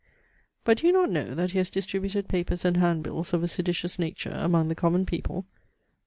D. But do you not know, that he has distributed papers and hand bills of a seditious nature among the common people?